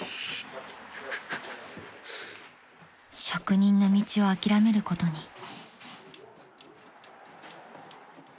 ［職人の道を諦めることに］